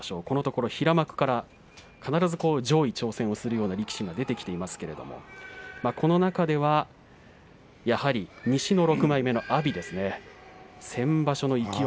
このところ平幕から必ず上位挑戦をするような力士が出てきていますけれどもこの中では、やはり西の６枚目の阿炎ですね。